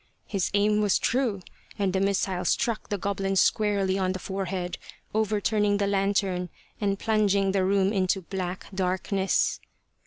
His aim was true, and the missile struck the goblin squarely on the forehead, overturning the lantern and plunging the room into black darkness.